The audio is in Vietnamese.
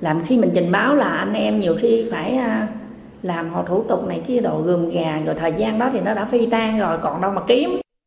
làm hộ thủ tục này cái đồ gừng gà rồi thời gian đó thì nó đã phi tan rồi còn đâu mà kiếm